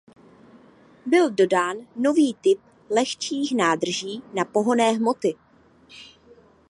Byl dodán nový typ lehčích nádrží na pohonné hmoty.